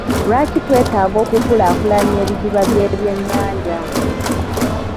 Lwaki twetaaga okukulaakulanya ebidiba by'ebyennyanja?